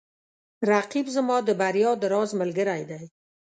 رقیب زما د بریا د راز ملګری دی